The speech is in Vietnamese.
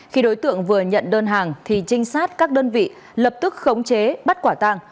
khi đối tượng vừa nhận đơn hàng thì trinh sát các đơn vị lập tức khống chế bắt quả tàng